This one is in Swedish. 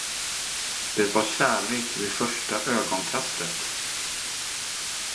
Det var kärlek vid första ögonkastet!